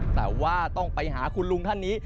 แต่ว่าต้องไปหาคุณลุงท่านนี้